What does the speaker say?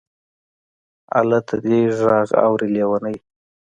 الته دې غږ اوري لېونۍ.